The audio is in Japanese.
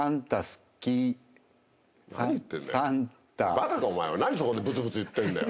バカかお前は何そこでブツブツ言ってんだよ。